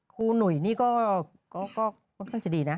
หนุ่ยนี่ก็ค่อนข้างจะดีนะ